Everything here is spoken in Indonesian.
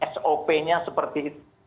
sop nya seperti itu